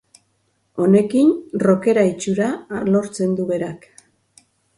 Honekin rockera itxura lortzen du berak.